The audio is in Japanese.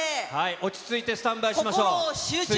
落ち着いてスタンバイしまし心を集中して。